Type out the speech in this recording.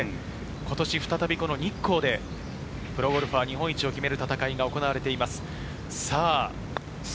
今年、再び日光でプロゴルファー日本一を決める戦いが行われています。